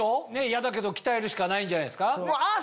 嫌だけど鍛えるしかないんじゃないですか？